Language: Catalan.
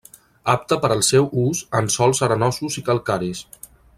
Apte per al seu ús en sòls arenosos i calcaris.